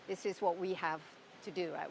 ini adalah hal yang harus kita lakukan